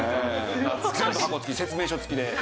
説明書付き？